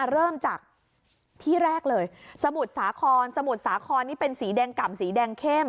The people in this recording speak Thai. เริ่มจากที่แรกเลยสมุทรสาครสมุทรสาครนี่เป็นสีแดงกล่ำสีแดงเข้ม